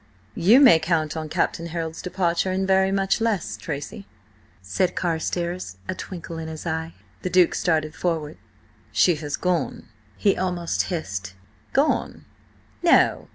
"You may count on Captain Harold's departure in very much less, Tracy," said Carstares, a twinkle in his eye. The Duke started forward. "She has gone?" he almost hissed. "Gone? No!